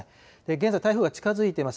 現在、台風は近づいています。